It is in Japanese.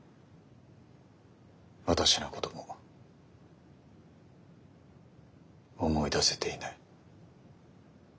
私のことも思い出せていない。